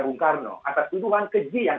bung karno atas tuduhan keji yang